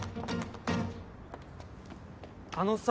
あのさ。